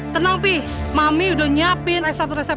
tenang pi mami udah nyiapin resep resep